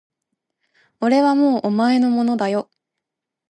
俺はもうお前のものだよ